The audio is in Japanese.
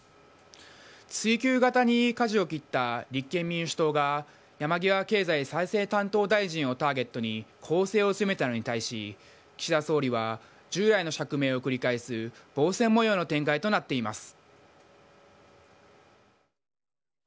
追及型に舵を切った立憲民主党が山際経済再生担当大臣をターゲットに攻勢を強めたのに対し岸田総理は従来の釈明を繰り返す防戦模様の展開となっています。